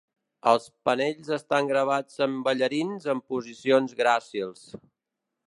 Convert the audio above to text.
Els panells estan gravats amb ballarins en posicions gràcils.